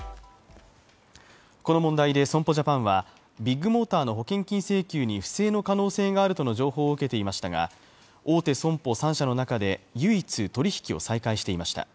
この問題で損保ジャパンはビッグモーターの保険金請求に不正の可能性があるとの情報を受けていましたが大手損保３社の中で唯一、取引を再開していました。